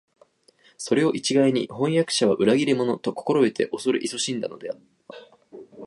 それを一概に「飜訳者は裏切り者」と心得て畏れ謹しんだのでは、